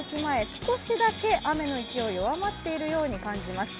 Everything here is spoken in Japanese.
少しだけ雨の勢いが弱まっているように感じます。